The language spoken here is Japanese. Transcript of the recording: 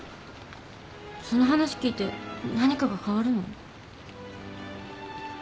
その話聞いて何かが変わるの？